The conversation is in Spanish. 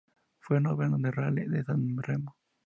Fue noveno en el Rally de San Remo.